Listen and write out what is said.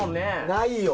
ないよ。